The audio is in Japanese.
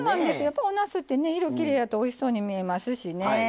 おなすって色がきれいやとおいしそうに見えますからね。